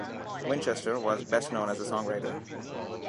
Winchester was best known as a songwriter.